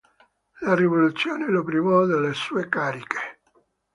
La rivoluzione lo privò delle sue cariche.